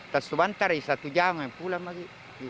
terus sebentar satu jam pulang lagi